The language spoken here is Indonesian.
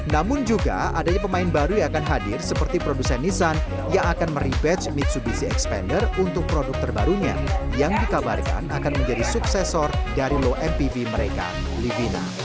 namun juga adanya pemain baru yang akan hadir seperti produsen nissan yang akan merepatch mitsubishi expander untuk produk terbarunya yang dikabarkan akan menjadi suksesor dari low mpv mereka livina